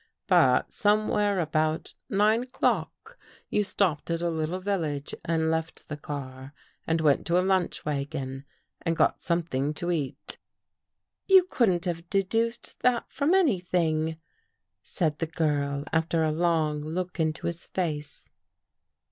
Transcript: But somewhere about nine o'clock, you stopped at a little village and left the car and went to a lunch wagon and got something to eat." " You couldn't have deduced that from anything," said the girl after a long look into his face.